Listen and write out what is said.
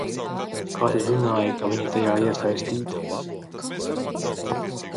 Kā tu zināji, ka viņa tajā iesaistīta?